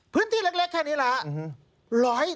พื้นที่เล็กแค่นี้แหละครับ